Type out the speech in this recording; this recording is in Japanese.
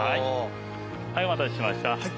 はいお待たせしました。